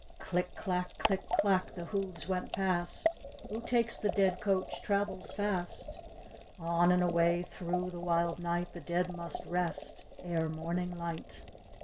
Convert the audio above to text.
Click clack, click clack, the hoofs went past. Who takes the dead coach traveb fast, On and away through the wild night, The dead must rest ere moming light.